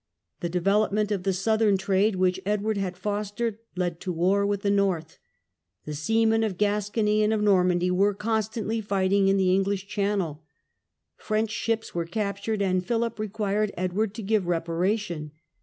The development of the southern trade, which Edward had fostered, led to war with the north. The seamen of Gas * cony and of Normandy were constantly fighting in the English Channel French ships were captured, and Philip required Edward to give reparation.